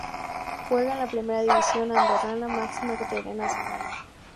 Juega en la Primera División andorrana, máxima categoría nacional.